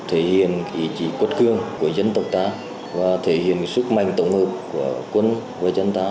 thể hiện ý chí quất cương của dân tộc ta và thể hiện sức mạnh tổng hợp của quân và dân ta